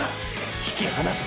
引き離す